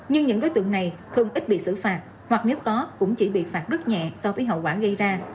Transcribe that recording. nhưng những đối tượng này không ít bị xử phạt hoặc nếu có cũng chỉ bị phạt rất nhẹ so với hậu quả gây ra